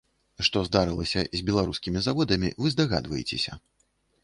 Што здарылася з беларускімі заводамі, вы здагадваецеся.